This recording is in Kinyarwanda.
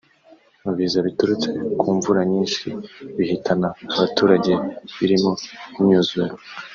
Mu biza biturutse ku mvura nyinshi bihitana abaturage birimo imyuzure